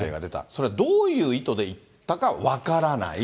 それはどういう意図で言ったか分からない。